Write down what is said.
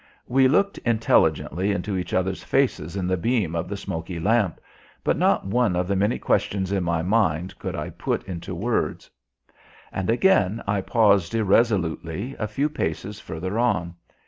We looked intelligently into each other's faces in the beam of the smoky lamp. But not one of the many questions in my mind could I put into words. And again I paused irresolutely a few paces further on.